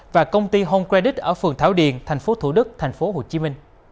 và công ty home credit ở phường thảo điền tp thủ đức tp hcm